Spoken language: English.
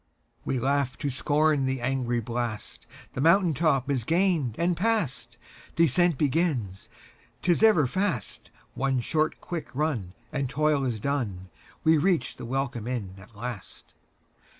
We laugh to scorn the angry blast, The mountain top is gained and past. Descent begins, 't is ever fast—One short quick run, and toil is done, We reach the welcome inn at last.